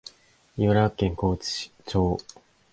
茨城県河内町